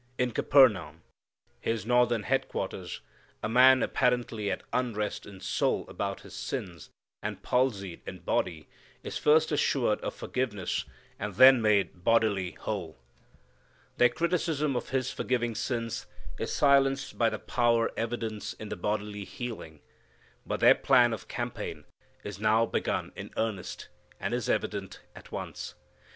In Capernaum, His northern headquarters, a man apparently at unrest in soul about his sins, and palsied in body, is first assured of forgiveness, and then made bodily whole. Their criticism of His forgiving sins is silenced by the power evidenced in the bodily healing. But their plan of campaign is now begun in earnest, and is evident at once.